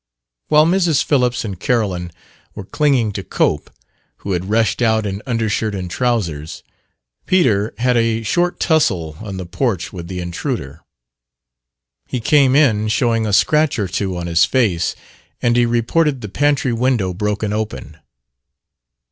While Mrs. Phillips and Carolyn were clinging to Cope, who had rushed out in undershirt and trousers, Peter had a short tussle on the porch with the intruder. He came in showing a scratch or two on his face, and he reported the pantry window broken open.